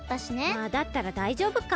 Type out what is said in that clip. まあだったらだいじょうぶか。